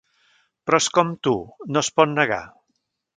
Però és com tu, no es pot negar.